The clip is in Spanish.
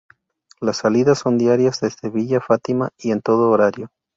Las salidas son diarias desde Villa Fátima y en todo horario.